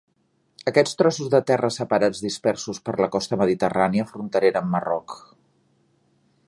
Aquests trossos de terra separats dispersos per la costa mediterrània fronterera amb Marroc.